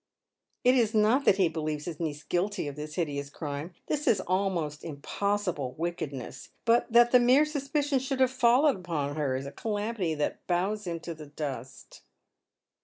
It is not that he believes his niece guilty of this hideous crime — this almost impossible wickedness, — but that the mere suspicion should have fallen upon her is a calamity that bows him to the dust.